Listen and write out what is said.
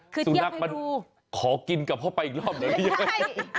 คือเทียบให้ดูสุนัขมันขอกินกลับเข้าไปอีกรอบเดี๋ยวหรือยังไงฮ่า